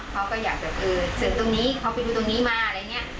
เขาก็อยากแบบเออส่งตรงนี้เขาไปดูตรงนี้มาอะไรเนี้ย